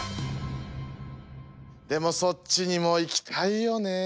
でもそっちにも行きたいよね。